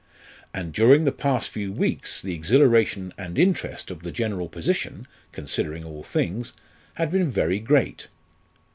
And during the past few weeks the exhilaration and interest of the general position considering all things had been very great.